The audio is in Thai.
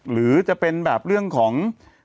หรือจะเป็นแบบเรื่องของ